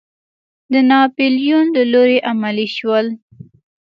د ناپیلیون له لوري عملي شول.